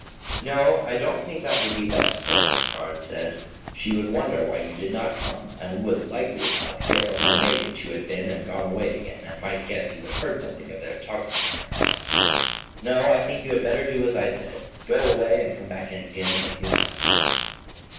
"No, I don't think that would be best," Reginald Carne said. "She would wonder why you did not come, and would, likely enough, hear from her maid that you had been and gone away again, and might guess you had heard something of the talking in there. No, I think you had better do as I said go away, and come again in a few minutes."